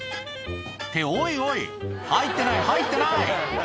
って、おいおい、入ってない、入ってない！